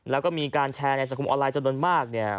และมีการแชร์ในสังคมออนไลน์จนดนมาก